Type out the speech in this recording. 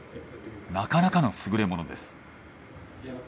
なかなかの優れものです。